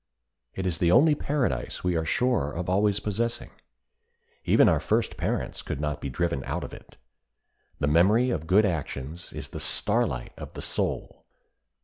It is the only paradise we are sure of always possessing. Even our first parents could not be driven out of it. The memory of good actions is the starlight of the soul.